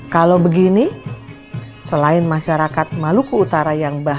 kalau begini selain masyarakat maluku utara yang bahagia